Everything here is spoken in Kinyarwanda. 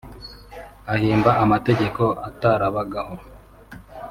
ahimba amategeko atarabagaho